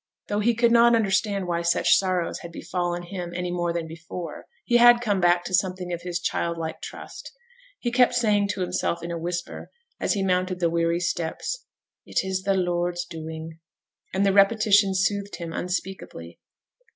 Though he could not understand why such sorrow had befallen him any more than before, he had come back to something of his childlike trust; he kept saying to himself in a whisper, as he mounted the weary steps, 'It is the Lord's doing'; and the repetition soothed him unspeakably.